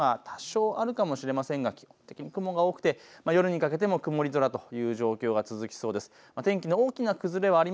夕方にかけては晴れ間が多少あるかもしれませんが、基本的に雲が多くて、夜にかけても曇り空という状況が続きそうです。